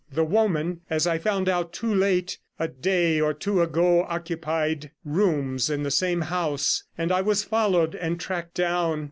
The woman, as I found out too late, a day or two ago, occupied rooms in the same house, and I was followed and tracked down.